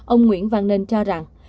ông nguyễn văn ninh cho rằng